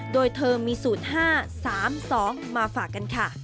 โดยเธอมีสูตร๕๓๒มาฝากกันค่ะ